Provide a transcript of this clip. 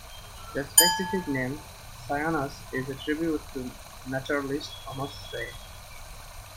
The specific name "sayanus" is a tribute to naturalist Thomas Say.